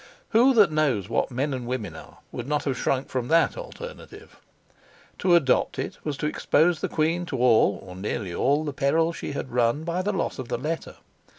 Who that knows what men and women are would not have shrunk from that alternative? To adopt it was to expose the queen to all or nearly all the peril she had run by the loss of the letter.